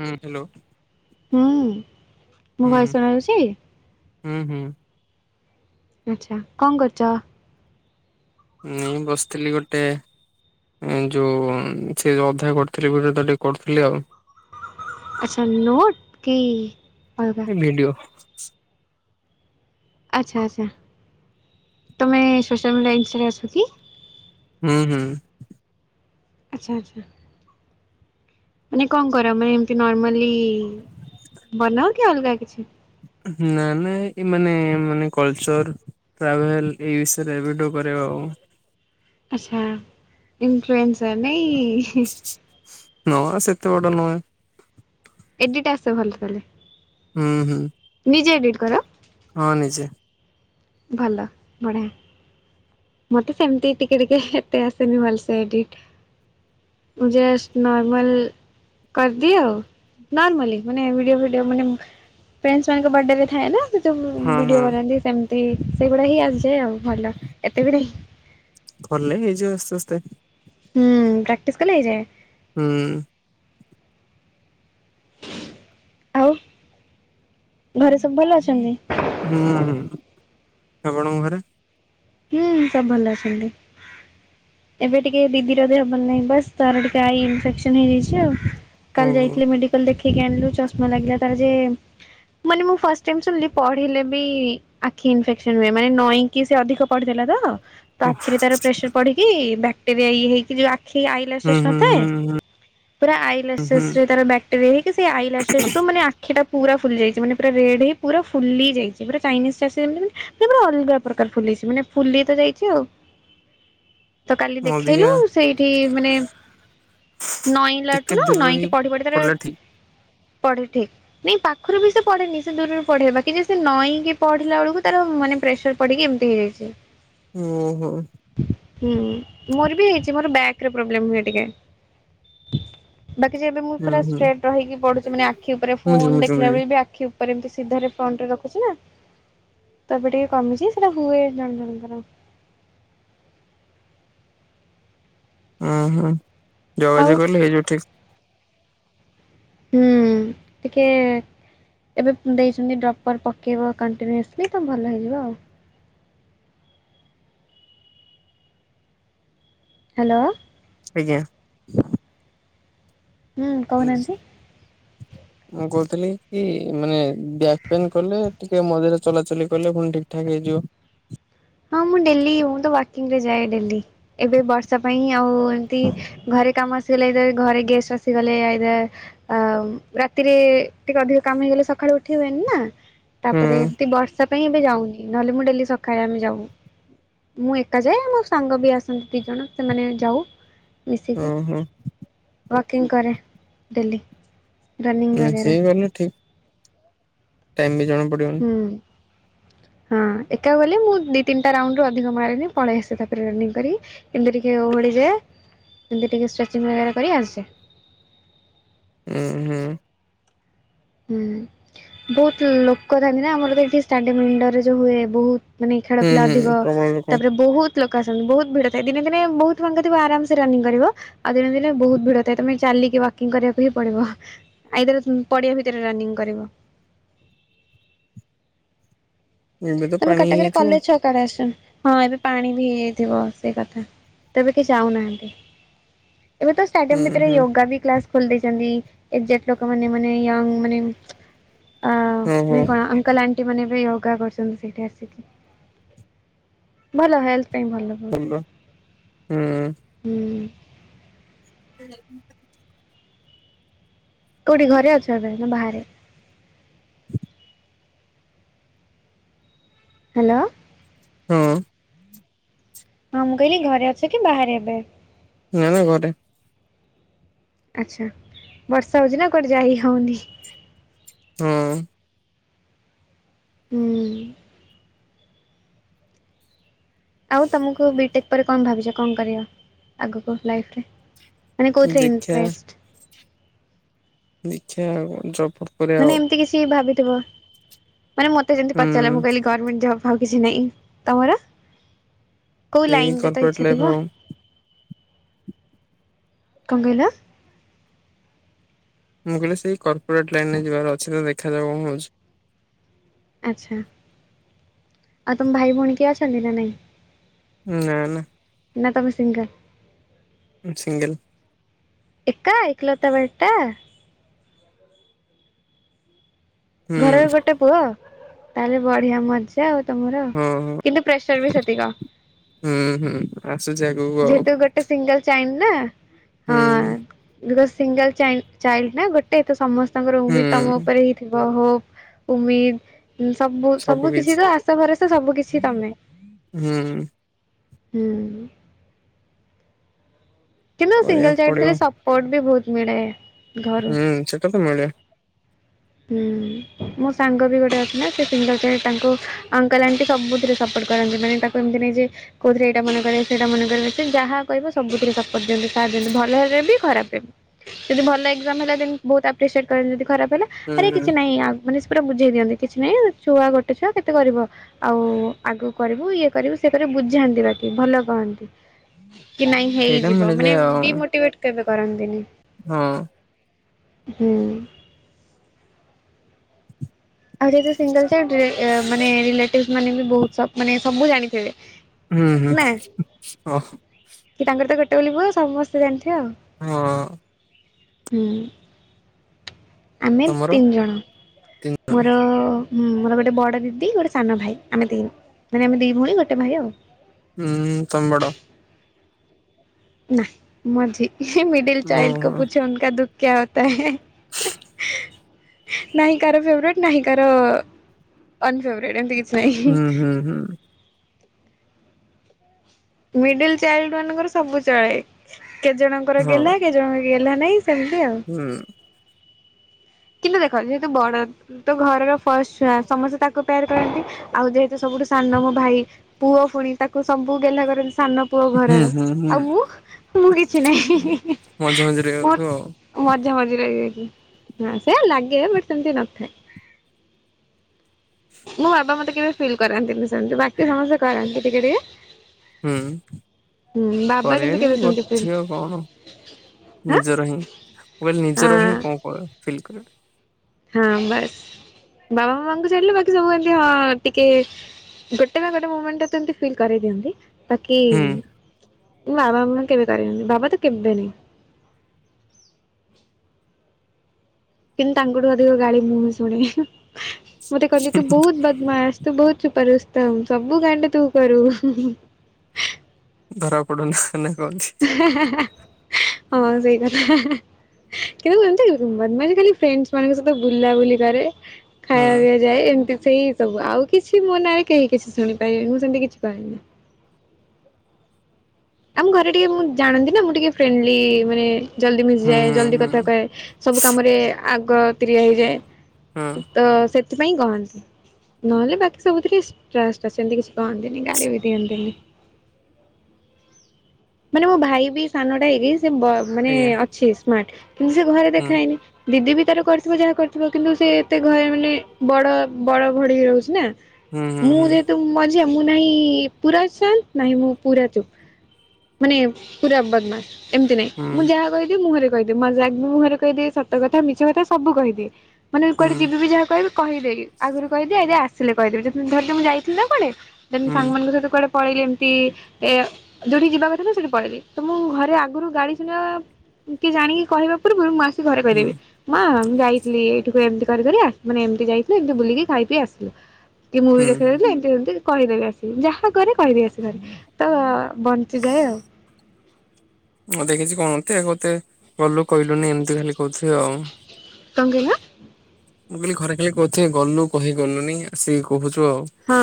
ହୁଁ ହ୍ୟାଲୋ ହୁଁ ମୁଁ ହୁଁ ଭଏସେ ଶୁଣା ଯାଉଛି? ହୁଁ ହୁଁ। ଆଚ୍ଛା କଣ କରୁଛ? ଏଇଁ ବସିଥିଲି ଗୋଟେ। ଏ ଯଉ ସେ ଯଉ ଅଧ୍ୟ୍ୟାୟ କରିଥିଲେ ଗୋଟେ ତାକୁ ଟିକେ କରିଥିଲି ଆଉ। ଆଚ୍ଛା ନୋଟ କି [unintelligible] ଏ ଭିଡିଓ। ଆଚ୍ଛା ଆଚ୍ଛା ତୁମେ ସୋସିଆଲ ମିଡ଼ିଆ ଇନଷ୍ଟାରେ ଅଚ୍ଛ କି? ହୁଁ ହୁଁ। ଆଚ୍ଛା ଆଚ୍ଛା। ମାନେ କଣ କର ମାନେ ଏମିତି ନର୍ମାଲି ବନାଅ କି ଅଲଗା କିଛି? ନା ନା ଏ ମାନେ ଏ ମାନେ କଲଚର୍। ଟ୍ରାଭେଲ୍ ଏଇ ବିଷୟରେ ଭିଡ଼ିଓ କରିବା ଆଉ। ଆଚ୍ଛା ଇପ୍ଲୁଏନ୍ସର ନା ନାଇଁ। ନୁହଁ ସେତେ ବଡ ନୁହେଁ। ଏଡିଟାସ୍କ ତ ଭଲ ତାହେଲେ। ହୁଁ ହୁଁ। ନିଜେ ଏଡିଟ୍ କର? ହଁ ନିଜେ। ଭଲ ବଢ଼ିଆ। ମତେ ସେମିତି ଟିକେ ଟିକେ ଏତେ ଆସେନି ଭଲସେ ଏଡ଼ିଟ। ମୁଯେଷ୍ଟ ନୋରମାଲ୍। କରିଦିଏ ଆଉ ନର୍ମାଲି ମାନେ ଭିଡିଓ ଫିଡିଓ ମାନେ। ଫ୍ରେଣ୍ଡସ ମାନଙ୍କ ବଡେରେ ଥାଏ ନା। ଯ ହଁ ଭିଡିଓ ହଁ ବନାନ୍ତି ସେମିତି ସେଇଭଳିଆ ହି ଆସିଯାଏ ଆଉ ଭଲ ଏତେ ବି ନାହିଁ। କଲେ ହେଇ ଯିବ ଆସ୍ତେ ଆସ୍ତେ। ହୁଁ ପ୍ରାକ୍ଟିସ୍ କଲେ ହେଇଯାଏ। ହୁଁ। ଆଉ ଘରେ ସବୁ ଭଲ ଅଛନ୍ତି? ହୁଁ ହୁଁ ଆପଣଙ୍କ ଘରେ? ହୁଁ ସବୁ ଭଲ ଅଛନ୍ତି। ଏବେ ଟିକେ ଦିଦିର ଦେହ ଭଲ ନାହିଁ ବାସ୍ ତାର ଟିକେ ଆଇ ଇନଫେକ୍ସନ ହେଇଯାଇଛି ଆଉ। କାଲି ଓହୋ ଯାଇଥିଲେ ମେଡିକାଲ ଦେଖିକି ଆଣିଲୁ ଚଷମା ଲାଗିଲା ତାର ଯେ ମାନେ ମୁଁ ଫାଷ୍ଟ ଟାଇମ୍ ଶୁଣିଲି ପଢିଲେ ବି ଆଖି ଇନଫେକ୍ସନ ହୁଏ ମାନେ ନଈକି ସେ ଅଧିକ ପଢ଼ିଦେଲାତ ତ ତା ଓହୋ ଆଖିରେ ତାର ପ୍ରେସର ପଢିକି ବ୍ୟାକ୍ଟେରିଆ ଇଏ ହେଇକି ଯଉଆ କି ହୁଁ ଆଇଲେଶେଷ ହୁଁ ନଥାଏ। ହୁଁ ହୁଁ ପୁରା ହୁଁ ଆଇଲେଶଶ୍ରେରେ ହୁଁ ତାର ବ୍ୟାକ୍ଟେରିଆ ହେଇକି ସେ ଆଇଲେଶସ୍ ରୁ ମାନେଆ ସେଟା ପୁରା ଫୁଲି ଯାଇଛି ମାନେ ପୁରା ରେଡ୍ ହେଇ ପୁରା ଫୁଲି ଯାଇଛି ପୁରା ଚାଇନିଜ ସେସ୍ ସେପୁରା ଅଲଗା ପ୍ରକାର ଫୁଲିଛି ମାନେ ଫୁଲି ତ ଯାଇଛି ଆଉ। ତ କାଲି ଦେଖେଇଲୁ ଅଧିକା ସେଇଠି ମାନେ ଟିକେ ନଇଁଲାଠୁ ନା ଦୂରରେ ହେଇ ନଈଁକି ପଢି ପଢି ତାର ପଡିଲା ଠିକ ପଢେ ଠିକ। ନାଇଁ ପାଖରୁ ବି ସେ ପଢେନି ସେ ଦୂରରୁ ପଢେଇବା କି ଯେ ସେ ନଇକି ପଢିଲା ବେଳକୁ ତାର ମାନେ ପ୍ରେସର ପଡିକି ଏମିତି ହେଇଯାଇଛି। ଓହୋ ହୁଁ ମୋର ବି ହେଇଛି ମୋର ବ୍ୟାକରେ ପ୍ରୋବ୍ଲେମ ହୁଏ ଟିକେ। ବାକି ଯେବେ ମୁଁ ହୁଁ ପୁରା ଷ୍ଟ୍ରେଟ ରହିକି ପଡୁଛି ମାନେ ହୁଁ ଆଖି ଉପରେ ମୁଁଝି ଫୋନ ମୁଁଝି ଦେଖିଲା ମୁଁଝି ବେଳେ ବି ଆଖି ତା ପରେ ଏମିତି ସିଧାରେ ଫ୍ରଣ୍ଟ ରେ ରଖୁଛି ନା ତ ଏବେ ଟିକେ କମିଛି ସେଟା ହୁଏ ଜଣ ଜଣଙ୍କ। [inaudible] ହୁଁ ହୁଁ ଆଉ ଯୋଗାଯୋଗ କଲେ ହେଇଯିବ ଠିକ। ହୁଁ ଟିକେ ଏବେ ଦେଇଛନ୍ତି ଡ୍ରପର୍ ପକେଇବ କଣ୍ଟିନ୍ୟୁଅସ୍ଲି ତ ଭଲ ହେଇଯିବ ଆଉ। ହ୍ୟାଲୋ ଆଜ୍ଞା ହୁଁ କହୁନାହାନ୍ତି [unintelligible] [inaudible] ମୁଁ କହୁଥିଲି କି ମାନେ ବ୍ୟାକ୍ ପେନ୍ କଲେ ଟିକେ ମଝିରେ ଚଲାଚଲି କଲେ ପୁଣି ଠିକ୍ ଠାକ୍ ହେଇଯିବ। ହଁ ମୁଁ ଡେଲି ମୁଁ ତ ୱାକିଂ ରେ ଯାଏ ଡେଲି ଏବେ ବର୍ଷା ପାଇଁ ଆଉ ଏମିତି ଘରେ କାମ ଆସିଗଲେ ଏ ଘରେ ଗେଷ୍ଟ ଆସିଗଲେ। ଅ ରାତିରେ ଟିକେ ଅଧିକ କାମ ହେଇଗଲେ ସକାଳୁ ଉଠି ହୁଏନି ନା। ହୁଁ ତାପରେ ଏମିତି ବର୍ଷା ପାଇଁ ଏବେ ଯାଉନି ନହେଲେ ମୁଁ ଡେଲି ସକାଳେ ଆମେ ଯାଉ। ମୁଁ ଏକା ଯାଏ ମୋ ସାଙ୍ଗ ବି ଆସନ୍ତି ଦି ଜଣ ସେମାନେ ଯାଉ। ହୁଁ ମିଶିକି ହୁଁ ୱାକିଂ କରେ ଡେଲି। ନାଁ [unintelligible] ଠିକ। ଟାଇମ ବି ଜଣାପଡିବ। ହୁଁ ହଁ ଏକା ଗଲେ ମୁଁ ଦୁଇ ତିନିଟା ରାଉଣ୍ଡରୁ ଅଧିକ ମାରେନି ପଳେଇ ଆସେ ତାପରେ ରନିଙ୍ଗ କରି। ଏମିତି ଟିକେ ଓହଳିଯାଏ ଏମିତି ଟିକେ ଷ୍ଟ୍ରେଚିଂ ବଗରା କରି ଆସି ଯାଏ। ହୁଁ ହୁଁ ହୁଁ ବହୁତ ଲୋକ ଥାନ୍ତି ନା ଆମର ତ ଷ୍ଟାଡିୟମ୍ ରେ ଯୋଉ ହୁଏ ବହୁତ। ମାନେ ଖେଳ ହୁଁ ପିଲା ଅଧିକ ହୁଁ ପ୍ରବଳ ଲୋକ ତାପରେ ବହୁତ ଲୋକ ଆସନ୍ତି, ବହୁତ ଭିଡ ଥାଏ, ଦିନେ ଦିନେ ବହୁତ ଫାଙ୍କା ଥିବ, ଆରାମସେ ରନିଂ କରିବ। ଆଉ ଦିନ ଦିନେ ବହୁତ ଭିଡ ଥାଏ, ତମେ ଚାଲିକି ୱାକିଂ କରିବାକୁ ହିଁ ପଡିବ, ଆଇଦର ପଡିିଆ ଭିତ ଭିତରେ ରନିଂ କରିବ। ଏବେ ତ ତମେ ପାଣି କଟକ ରେ ହେଇଯାଇଥିବ। କଲେଜ ଛ [unintelligible] ହଁ ଏବେ ପାଣି ବି ହେଇଯାଇଥିବ ସେଇ କଥା, ତେବେ କେହି ଯାଉନାହାନ୍ତି। ଏବେ ତ ହୁଁ ଷ୍ଟାଡିୟମ୍ ଭିତରେ ହୁଁ ୟୋଗା ବି କ୍ଲାସ ଖୋଲି ଦେଇଚନ୍ତି, ଏଜାକ୍ଟ ଲୋକ ମାନେ, ମାନେ ୟଙ୍ଗ ମାନେ, ଅ ହଉ ମାନେ ହଉ କଣ ଅଙ୍କଲ ଆଣ୍ଟି ମାନେ ବି ୟୋଗା କରୁଚନ୍ତି ସେଇଠି ଆସିକି, ଭଲ ହେଲଥ୍ ପାଇଁ ଭଲ। ବହୁତ କରିବା, ହୁଁ। ହୁଁ। [unintelligible] କୋଉଠି, ଘରେ ଅଛ ଏବେ, ନା ବାହାରେ? [unintelligible] ହାଲୋ। ହଁ। ହଁ, ମୁଁ କହିଲି ଘରେ ଅଛ କି ବାହାରେ ଏବେ? ନା ନା ଘରେ। ଆଛା, ବର୍ଷା ହଉଚି ନା, କୁଆଡେ ଯାଇ ହଉନି। ହଁ। ହୁଁ। ଆଉ ତମକୁ ବିଟେକ୍ ପରେ କଣ ଭାବିଛ, କଣ କରିବ, ଆଗକୁ ଲାଇଫ୍ ରେ? ମାନେ କୋଉଥିରେ ଦେଖିଆ ଇଣ୍ଟ୍ରେଷ୍ଟ? ଦେଖିବା ଆଉ ଜବ ମାନେ ଏମିତି କିଛି ଭାବିଥିବ, ମାନେ ମତେ ଯେମିତି ହୁଁ ପଚାରିଲ, ମୁଁ କହିଲି ଗର୍ମେଣ୍ଟ ଜବ୍। ଆଉ କିଛି ନାଇଁ, ତମର, କୋଉ ଏଇ ଲାଇନରେ ତ କର୍ପୋରେଟ୍ ଇଛା ଲାଇଫ୍ ଥିବ? ଆଉ କଣ କହିଲ? ମୁଁ କହିଲି ସେ କର୍ପୋରେଟ ଲାଇନ ରେ ଯିବାର ଅଛି, ତ ଦେଖାଯାଉ କଣ ହଉଛି? ଆଛା, ଆଉ ତମ ଭାଇ ଭଉଣୀ କିଏ ଅଛନ୍ତି ନା ନାହିଁ? ଉଁ ନା ନା। ନା ତମେ ସିଙ୍ଗା? ସିଙ୍ଗଲ୍। ଏକା, ଏକ୍ଲତା ବେଟା। ହୁଁ ଘରର ଗୋଟେ ପୁଅ, ତାହେଲେ ବଢିଆ ମଜ୍ ମଜା ଆଉ ତମର ହଁ ହଁ କିନ୍ତୁ ପ୍ରେସର ବି ସେତିକ। ହୁଁ ହୁଁ, ଆସୁଛି ଆଗକୁ ଆଉ। ଯେହେତୁ ଗୋଟେ ସିଙ୍ଗଲ ଚାଇନ୍ ନା? ହୁଁ ଉଁ [unintelligible] ସିଙ୍ଗଲ ଚାଇଲଡ୍ ନା ଗୋଟେ, ତ ସମସ୍ତଙ୍କର ଉମି ତମ ହୁଁ ଉପରେ ହି ବୋହୁ, ଉମିଦ୍, ସବୁ ସବୁ କିଛି ତ ଆଶା ଭରଷା ସବୁ କିଛି ତମେ। ହୁଁ- ଉଁ - ଉ। ହୁଁ। କିନ୍ତୁ ସିଙ୍ଗଲ କରିବାକୁ ଚାଇଡ୍ ପଡିବ ଥିଲେ ସପୋର୍ଟ ବି ବହୁତ ମିଳେ ଘରୁ। ହୁଁ ସେଟା ତ ମିଳେ ହୁଁ। ମୋ ସାଙ୍ଗ ବି ଗୋଟେ ଅଛି ନା, ସେ ସିଙ୍ଗଲ ଚାଇଲଡ, ତାଙ୍କୁ ଅଙ୍କଲ ଆଣ୍ଟି ସବୁଥିରେ ସପୋର୍ଟ କରନ୍ତି ମାନେ ତାକୁ ଏମିତି ନାହିଁ ଯେ କୋଉଥିରେ ଏଇଟା ମନା କରିବେ, ସେଇଟା ମନା କରିବେ, ସେ ଯାହା କହିବ ସବୁଥିରେ ସ ପର୍ଯ୍ୟନ୍ତ ସାଥ୍ ଦେଲେ ଭଲରେ ବି ଖରାପ ରେ ବ୍ ଯଦି ଭଲ ଏକ୍ଜାମ ହେଲା ଦେନ୍ ବହୁତ ଆପ୍ରିସିଟ ଯଦି ଖରାପ ହେଲା ହୁଁ ଆରେ ହୁଁ କିଛି ନାଇଁ ଆ ମାନେ ସେ ପୁରା ବୁଝେଇ ଦିଅନ୍ତି କିଛି ନାହିଁ ଛୁଆ ଗୋଟେ ଛୁଆ କେତେ କରିବ। ଆଉ ଆଗକୁ କରିବୁ ଇଏ କରିବୁ ସେ କରିବୁ ବୁଝାନ୍ତି ବାକି ଭଲ କହନ୍ତି। କି ନାଇଁ ସେଇଟା ହେଇଯିବ ମିଳିଯାଏ ମାନେ ଆଉ ଡିମୋଟିଭେଟ କେବେ କରନ୍ତିନି। ହଁ। ହୁଁ। ଆଉ ଯେହେତୁ ସିଙ୍ଗଲ ଚାଇଡରେ ଏ ଏମାନେ ରିଲେଟିଭ ମାନେ ବି ବୋହୁତ ସବୁ ମାନେ ସବୁ ଜାଣିଥିବେ। ହୁଁ ହୁଁ ନା ଅହ। କି ତାଙ୍କର ତ ଗୋଟେ ବୋଲି ପୁଅ ସମସ୍ତେ ଜଣିଥିବେ ଆଉ। ହଁ। ହୁଁ। ଆମେ ତମର ତିନ୍ ଜଣ ତିନି ଜଣ ମୋର। ହୁଁ ମୋର ଗୋଟେ ବଡ ଦିଦି ଗୋଟେ ସାନ ଭାଇ ଆମେ ତିନ୍ ମାନେ ଆମେ ଦି ଭଉଣୀ ଗୋଟେ ଭାଇ ଆଉ। ହୁଁ ଉଁ ତମେ ବଡ଼। ନା ମଝି ମିଡିଲ୍ ଚାଇଲ୍ଡ କୁ ଓହୋ ପୁଛୋ ଦୁଃଖ କ୍ୟା ହୋତା ହେ। [inaudible] ନାହିଁ କାର ଫେଵ୍ରେଟ୍ ନାହିଁ କାର ଅନ୍ ଫେଵ୍ରେଟ୍ ଏମିତି କି ହୁଁ ହୁଁ ହୁଁ। ମିଡିଲ୍ ଚାଇଲ୍ଡ ମାନଙ୍କର ସବୁ ଚଳେ କେଜଣଙ୍କର ହଁ ଗେହ୍ଲା। କେ ଜଣକ ଗେହ୍ଲା ନାଇଁ ସେମିତି ଆଉ। ହୁଁ। କିନ୍ତ ଦେଖ ଯେହେତୁ ବଡ ତ ଘରର ଫଷ୍ଟ ଛୁଆ ସମସ୍ତେ ତାକୁ ପ୍ୟାର୍ କରନ୍ତି ଆଉ ଯେହେତୁ ସବୁଠୁ ସାନ ମୋ ଭାଇ। ପୁଅ ଫୁଣି ତାକୁ ସବୁ ଗେହ୍ଲା କରନ୍ତି ସାନ ପୁଅ ହୁଁ ଘରର ହୁଁ ଆଉ ମୁଁ ମୁଁ କିଛି ନାହିଁ ହୁଁ ହିଁ ହିଁ ମଝି ମଝିରେ ହିଁ ଯାଉଥିବ ଆଉ ମଝାମଝି ରହି ଯାଇଚି। ହ ସେୟା ଲାଗେ ବଟ୍ ସେମିତି ନଥାଏ। ମୋ ବାବା ମତେ କେବେ ଫିଲ୍ କରାନ୍ତିନି ସେମିତି ବାକି ସମସ୍ତେ କରାନ୍ତି ଟିକେ ଟିକେ। ହୁଁ ହୁଁ ବାବା କିନ୍ତୁ କରିବେନି କେବେ ଗୋଟ୍ ସେମିତି ଫିଲ୍ ଝିଅ କଣ। ହାଁ ନିଜର ହିଁଁ ନିଜର ହିଁ ହଁ। କଣ କ ଫିଲ୍ କରିବ। ହଁ ବାସ୍ ବାବା ମାମାଙ୍କୁ ଛାଡିଲେ ବାକି ସବୁ ଏମତି ହଁ ଟିକେ। ଗୋଟେ ନା ଗୋଟେ ମୁମେଣ୍ଟରେ ଏମତି ଫିଲ୍ କରେଇ ଦିଅନ୍ତି। ବାକି ହୁଁ ମାମା ବାବା କେବେ କରିନାହାନ୍ତି ବାବା ତ କେଭେ ନାଇଁ। କିନ୍ତୁ ତାଙ୍କଠୁ ଅଧିକ ଗାଳି ମୁଁ ହଁ ଶୁଣେ ମତେ କହନ୍ତି ତୁ ବହୁତ ବଦମାସ ତୁ ବହୁତ ଛୁପାରୁସ୍ତ୍। ତ ସବୁ କାଣ୍ଡ ତୁ କରୁ। ଧରା ପଡୁନ ନା କଣଛି ହେଁ ହେଁ ହେଁ ହଁ ସେଇ କଥାହେଁ ହେଁ। କିନ୍ତୁ ଏମିତି ମାନେ ଖାଲି ଫ୍ରେଣ୍ଡସ୍ ମାନଙ୍କ ସହିତ ବୁଲାବୁଲି କରେ। ହୁଁ। ଖାଇବା ପିଇବା ଯାଏ ଏମିତି ସେଇ ସବୁ ଆଉ କିଛି ମୋ ନାଁରେ କେହି କିଛି ଶୁଣିପାରିବେ ମୁଁ ସେମିତି କିଛି କହେନି। ଆମ ଘରେ ଟିକେ ମୁଁ ଜାଣନ୍ତି ନା ମୁଁ ଟିକେ ଫ୍ରେଣ୍ଡଲି ମାନେ ଜଲ୍ଦି ହୁଁ ମିଶିଯାଏ ହୁଁ ଜଲଦି କଥା ହୁଁ କଏ। ସବୁ କାମରେ ଆଗ ତିରିଆ ହୁଁ ହେଇଯାଏ ତ ସେଥିପାଇଁ କହନ୍ତି। ନହେଲେ ବାକି ସବୁଥିରେ [unintelligible] ସେମିତି କିଛି କହନ୍ତିନି ଗାଳି ବି ଦିଅନ୍ତନି। ମାନେ ମୋ ଭାଇ ବି ସାନଟା ହେଇକି ସେ ମାନେ ଆଜ୍ଞା ଅଛି ସ୍ମାର୍ଟ କିନ୍ତୁ ସେ ଘରେ ଦେଖାଏନି। ଦିଦି ବି ତାର କରିଥିବ ଯାହା କରିଥିବ କିନ୍ତୁ ସେ ଏତେ ଘରେ ମାନେ ବଡ ବଡ ଭଡି ରହୁଛି ନା ହୁଁ ହୁଁ ମୁଁ ହୁଁ ଯେହେତୁ ମଝିଆ ମୁଁ ନାହିଁ ପୁରା ଶାନ୍ତ ନାହିଁ ପୁରା ଚୁପ। ମାନେ ପୁରା ବଦମାସ ଏମିତି ନାଇଁ ହୁଁ ହୁଁ ମୁଁ ଯାହା କହିବି ମୁଁ ‌ହରେ କହିଦିଏ, ମଜାଗ ବି ମୁହଁରେ କହିଦିଏ। ସତକଥା, ମିଛକଥା ସବୁ କହିଦିଏ ମାନେ ହୁଁ କୁଆଡେ ଯିବି ଯାହା କହିବୁ କହିଦେ ଆଗରୁ କହିଦିଏ, ଆସିଲେ କହିଦିଏ ଧ ମୁଁ ଯାଇଥିଲି କୁଆଡ଼େ ହୁଁ ସାଙ୍ଗମାନଙ୍କ ସହିତ କୁଆଡେ ପଳେଇଲେ ଏମିତି ଏ ଯୋଉଠି ଯିବା କଥା ତଁ ସେଠି ପଳେଇବି ତ ମୁଁ ଘରେ ଆଗରୁ ଗାଳି ଶୁଣିବା କିଏ ଜାଣିକି କହିବା ପୁର୍ବରୁ ମୁଁ ଆସି ଘରେ ହୁଁ କହିଦେବି। ମା ମୁଁ ଯାଇଥିଲି ଏଇଠିକୁ ଏମତି କରି କରି ମାନେ ଏମିତି ଯାଇଥିଲୁ ଏମିତି ବୁଲିକି ଖାଇକି ଆସିଲୁ। କି ମୁଭି ହୁଁ ଦେଖିଯାଇଥିଲୁ ଏମତି ସେମତି କହିଦେବି ଆସିବି ଯାହା କରେ କହିଦେବି ଆସି ତ ଚି ଯାଏ ଆଉ ହଁ ଦେଖିଛି କଣତ କତେ ଗଲୁ କହିଲୁନି ଏମିତି ଖାଲି କହୁଥି ଆଉ। କଂକଇଲ [unintelligible] ମୁଁ କହିଲି ଘରେ ଖାଲି କହୁଥିବେ ଗଲୁ କହିଗଲୁନି ଆସିକି କହୁଛୁ ଆଉ। ହଁ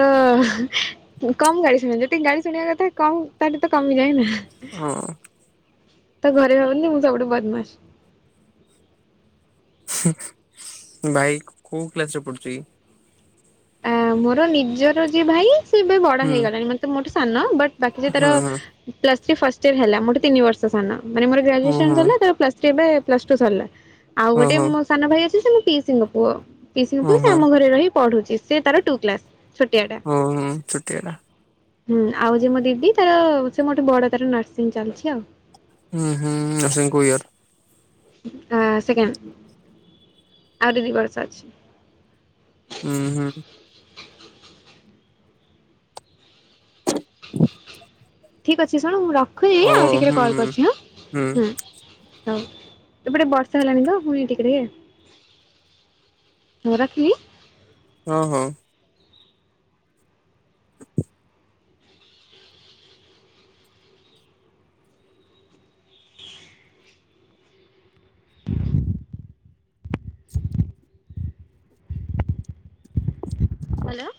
ତ କମ ଗାଳିଶୁଣ ଯେତିକି ଗାଳି ଶୁଣିବା କଥା କମ ତାଠୁ ତ କମିଯାଏନା। ହଁ ତ ଘରେ ଭାବନ୍ତି ମୁଁ ସବୁଠୁ ବଦମାସ। ଭାଇ କୋଉ କ୍ଲାସ ରେ ପଢୁଛି କି? ଆ ମୋର ନିଜର ଯିଏ ଭାଇ ସିଏ ଏବେ ବଡ ହୁଁ ହେଇଗଲାଣି ମତେ ମୋଟେ ସାନ ବଟ୍ ବାକି ଯେ ତାର ହଁ ହଁ ପ୍ଲସ ଥି ଫାଷ୍ଟ ଇୟର ହେଲା ମୋଠୁ ତିନି ବର୍ଷ ସାନ ମାନେ ମୋର ଗ୍ରାଜୁଏସନ ହୁଁ ହୁଁ ସରିଲା ତାର ପ୍ଲସ ସେ ଏ ପ୍ଲସ ଟୁ ସରିଲା ଆଉ ହଁ ଗୋଟେ ହଁ ମୋ ସାନ ଭାଇ ଅଛି ସେ ମୋ ପିଇସୀଙ୍କ ପୁଅ। ସେ ହଁ ହଁ ଆମ ଘରେ ରହି ପଢ଼ୁଛି ସେ ତାର ଟୁ କ୍ଲାସ ଛୋଟିଆ ଟା। ହଁ ହ ଛୋଟିଆ ଟା। ହୁଁ ଆଉ ଯ ମୋ ଦିଦି ତାର ସେ ମୋଠେ ବଡ ତାର ନର୍ସିଂ ଚାଲିଛି ଆଉ। ହୁଁ ହୁଁ ନସିଙ୍ଗ କୋଉ ଇୟର? ଅ ସେକେଣ୍ଡ ଆଉରି ଦି ବର୍ଷ ଅଛି। ହୁଁ ହୁଁ ହ [inaudible] ଠିକ୍ ଅଛି ଶୁଣ ମୁଁ ରଖୁଛିି ଆଉ ଟିକରେ କଲ୍ ହୁଁ। କରୁଛି ହଁ। ହୁଁ ହଉ ଏପଟେ ବର୍ଷା ହେଲାଣି ତ ପୁଣି ଟିକେ ଟିକେ। ହୁଁ ରଖିଲି। ହଁ ହଁ ହାଲୋ